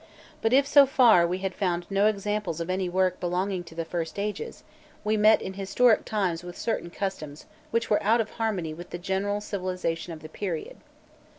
But if so far we had found no examples of any work belonging to the first ages, we met in historic times with certain customs which were out of harmony with the general civilization of the period.